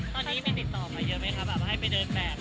ตอนนี้อีเมนติดต่อมาเยอะไหมคะแบบว่าให้ไปเดินแบบ